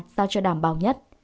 do cho đảm bảo nhất